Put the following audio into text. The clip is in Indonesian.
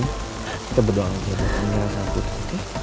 kita berdoa aja buat pangeran satu oke